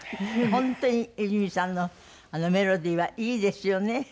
本当にいずみさんのメロディーはいいですよね。